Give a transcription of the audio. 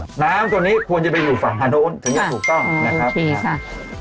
ค่ะน้ำตัวนี้ควรจะไปอยู่ฝั่งหาโดนถึงอย่างถูกต้องอืมโอเคค่ะ